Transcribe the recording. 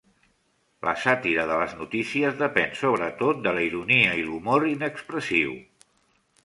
La sàtira de les notícies depèn sobretot de la ironia i l'humor inexpressiu.